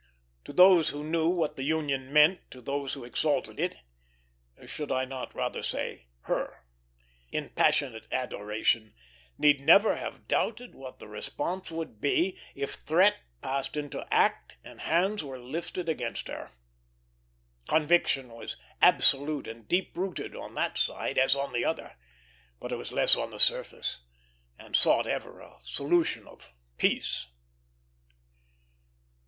To those who knew what the Union meant to those who exalted it should I not rather say her? in passionate adoration, need never have doubted what the response would be, if threat passed into act and hands were lifted against her. Conviction was absolute and deep rooted on that side as on the other; but it was less on the surface, and sought ever a solution of peace.